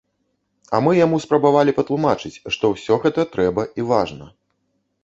А мы яму спрабавалі патлумачыць, што ўсё гэта трэба і важна.